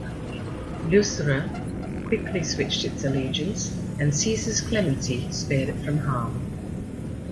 Lucera quickly switched its allegiance and Caesar's clemency spared it from harm.